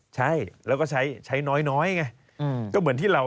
ใช่และใช้น้อยไง